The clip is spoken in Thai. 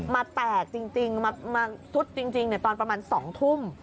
แตกจริงมาซุดจริงตอนประมาณ๒ทุ่ม